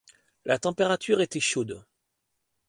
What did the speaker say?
La température était chaude.